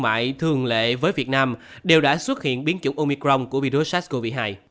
mại thường lệ với việt nam đều đã xuất hiện biến chủng omicron của virus sars cov hai